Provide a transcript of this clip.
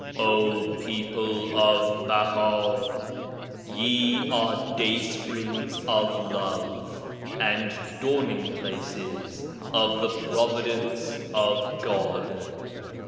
"Oh people of Baha; Ye are day springs of love, and dawning places of the providence of God.